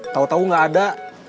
tahu tahu gak ada